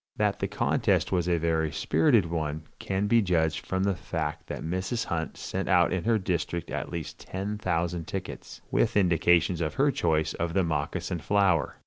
That the contest was a very spirited one can be judged from the fact that Mrs. Hunt sent out in her district at least ten thousand tickets, with indications of her choice of the moccasin flower.